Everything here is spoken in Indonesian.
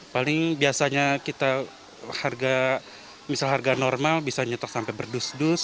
paling biasanya kita harga misal harga normal bisa nyetok sampai berdus dus